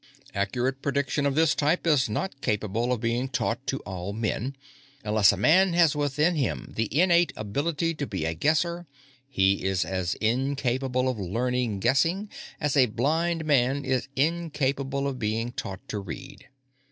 "Accurate predicting of this type is not capable of being taught to all men; unless a man has within him the innate ability to be a Guesser, he is as incapable of learning Guessing as a blind man is incapable of being taught to read."